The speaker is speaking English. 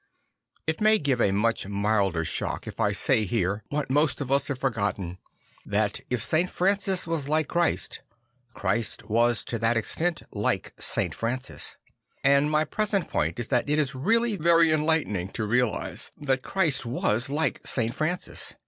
It may give a much milder shock if I say here, what most of he Mirror of Christ 135 us have forgotten, that if St. Francis was like Christ, Christ was to that extent like St. Francis. And my present point is that it is really very enlightening to realise that Christ was like St. Francis.